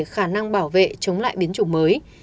khả năng bảo vệ chống lại biến chủng mới